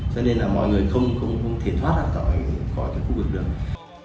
cho nên là mọi người không thể thoát được khỏi cái khu vực được